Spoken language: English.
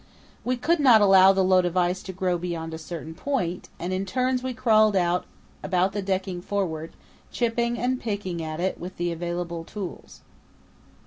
We could not allow the load of ice to grow beyond a certain point, and in turns we crawled about the decking forward, chipping and picking at it with the available tools.